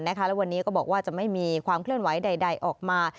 และวันนี้ก็บอกว่าจะไม่มีความเคลื่อนไหวใดออกมา